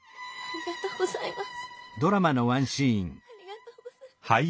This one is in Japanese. ありがとうございます。